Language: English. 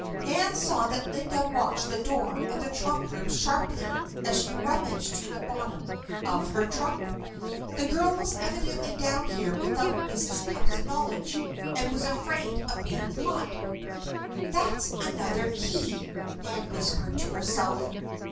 Nan saw that Linda watched the door of the trunk room sharply as she rummaged to the bottom of her trunk. The girl was evidently down here without Mrs. Cupp's knowledge, and was afraid of being caught. "That's another key!" Nan whispered to herself.